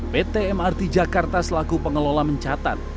pt mrt jakarta selaku pengelola mencatat